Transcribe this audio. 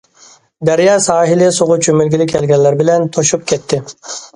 دەريا ساھىلى سۇغا چۆمۈلگىلى كەلگەنلەر بىلەن توشۇپ كەتتى.